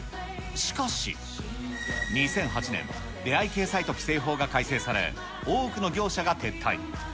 しかし、２００８年、出会い系サイト規制法が改正され、多くの業者が撤退。